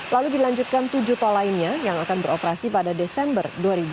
lalu dilanjutkan tujuh tol lainnya yang akan beroperasi pada desember dua ribu dua puluh